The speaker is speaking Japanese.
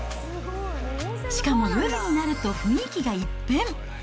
しかも夜になると雰囲気が一変。